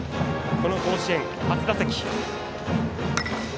この甲子園、初打席。